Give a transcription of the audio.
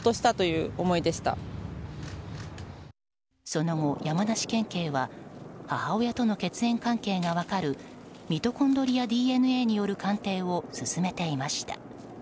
その後、山梨県警は母親との血縁関係が分かるミトコンドリアＤＮＡによる鑑定を進めていました。